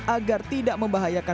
agar tidak membahayakan peguam